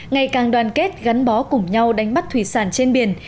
ngày càng đoàn kết gắn bó cùng nhau đánh bắt thủy sản trên biển